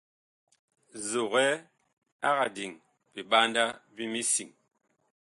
Nzogɛ ag diŋ biɓanda bi misiŋ́.